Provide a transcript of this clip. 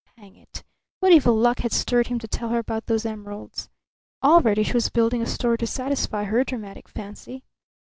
Hang it, what evil luck had stirred him to tell her about those emeralds? Already she was building a story to satisfy her dramatic fancy.